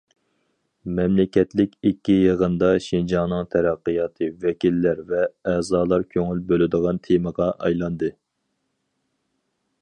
مەملىكەتلىك ئىككى يىغىندا، شىنجاڭنىڭ تەرەققىياتى ۋەكىللەر ۋە ئەزالار كۆڭۈل بۆلىدىغان تېمىغا ئايلاندى.